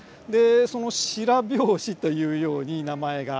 その白拍子というように名前が。